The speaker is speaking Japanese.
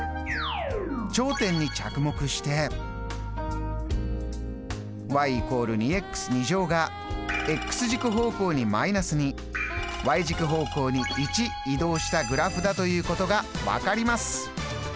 頂点に着目して軸方向に１移動したグラフだということが分かります。